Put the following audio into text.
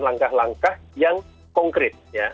langkah langkah yang konkret